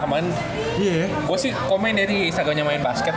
kemarin gue sih komen dari instagramnya main basket